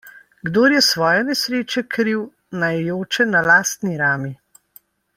Kdor je svoje nesreče kriv, naj joče na lastni rami.